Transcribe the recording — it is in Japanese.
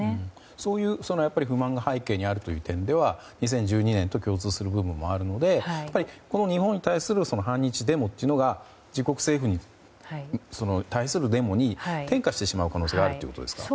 そういう不満が背景にあるという点では２０１２年と共通する部分もあるのでこの日本に対する反日デモが自国政府に対するデモに転化してしまう可能性があるということですか？